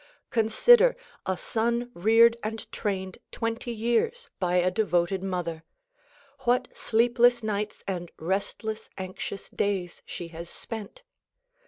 Consider, a son reared and trained twenty years by a devoted mother. What sleepless nights and restless, anxious days she has spent!